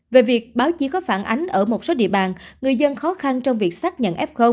về việc báo chí có phản ánh ở một số địa bàn người dân khó khăn trong việc xác nhận f